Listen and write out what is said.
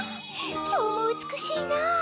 今日も美しいなぁ。